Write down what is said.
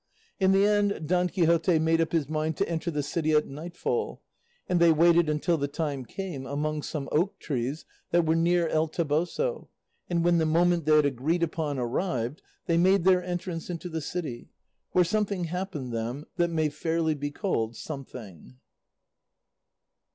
In the end, Don Quixote made up his mind to enter the city at nightfall, and they waited until the time came among some oak trees that were near El Toboso; and when the moment they had agreed upon arrived, they made their entrance into the city, where something happened them that may fairly be called something.